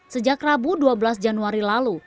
sejak rabu dua belas januari lalu